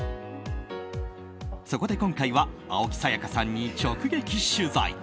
そこで今回は青木さやかさんに直撃取材。